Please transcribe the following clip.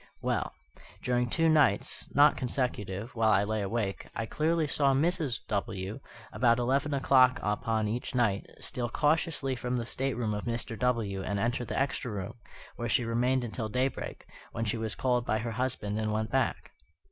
Well, during two nights (not consecutive), while I lay awake, I clearly saw Mrs. W., about eleven o'clock upon each night, steal cautiously from the stateroom of Mr. W. and enter the extra room, where she remained until daybreak, when she was called by her husband and went back.